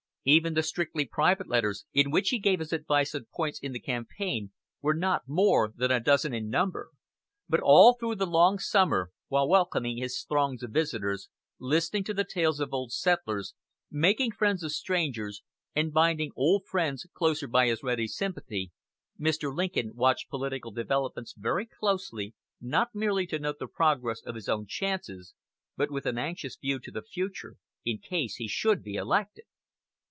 Even the strictly private letters in which he gave his advice on points in the campaign were not more than a dozen in number; but all through the long summer, while welcoming his throngs of visitors, listening to the tales of old settlers, making friends of strangers, and binding old friends closer by his ready sympathy, Mr. Lincoln watched political developments very closely, not merely to note the progress of his own chances, but with an anxious view to the future in case he should be elected.